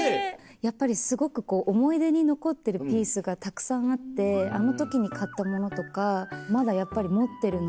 やっぱりすごく思い出に残ってるピースがたくさんあってあの時に買ったものとかまだやっぱり持ってるので。